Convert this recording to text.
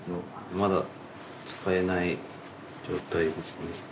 まだ使えない状態ですね。